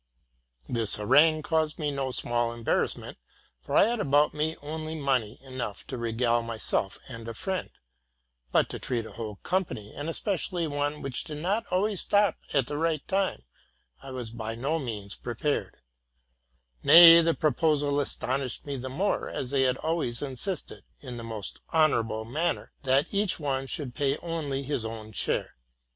'' This harangue caused me no small embarrassment, for I had about me only money enough to regale myself and a friend: but to treat a whole company, and especially one which did not always stop at the right time, I was by no means prepared; nay, the proposal 'astonished me the more, as they had always insisted, in the most honorable manner, that each one should pay only his own share.